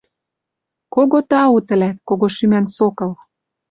Кого тау, тӹлӓт, кого шӱмӓн Сокол!